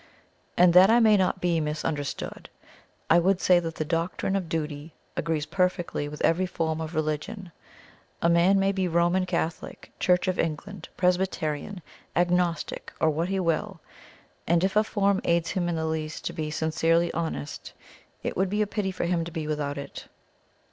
And, that I may not be misunderstood, I would say that the doctrine of Duty agrees perfectly with every form of religion a man may be Roman Catholic, Church of England, Presbyterian, Agnostic, or what he will; and, if a form aids him in the least to be sincerely honest, it would be a pity for him to be without it.